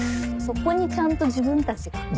そこにちゃんと自分たちが。